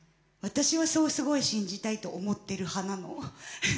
私はそうすごい信じたいと思ってる派なの。